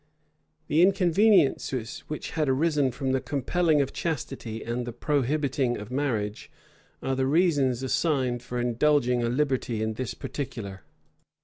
The inconveniences which had arisen from the compelling of chastity and the prohibiting of marriage, are the reasons assigned for indulging a liberty in this particular.